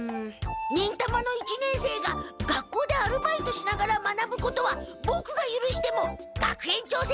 忍たまの一年生が学校でアルバイトしながら学ぶことはボクがゆるしても学園長先生がゆるさない！